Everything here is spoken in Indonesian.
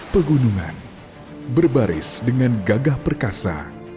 pegunungan berbaris dengan gagah perkasa